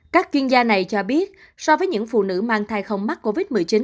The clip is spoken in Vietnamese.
các chuyên gia này cho biết so với những phụ nữ mang thai không mắc covid một mươi chín